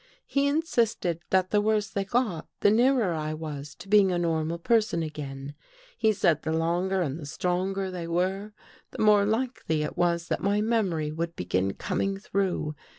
He insisted that the worse they got, the nearer I was to being a normal person again. He said the longer and the stronger they were, the more likely it was that the memory would begin coming through.